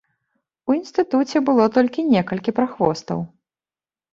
У інстытуце было толькі некалькі прахвостаў.